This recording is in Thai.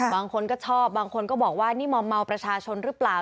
บางคนก็ชอบบางคนก็บอกว่านี่มอมเมาประชาชนหรือเปล่า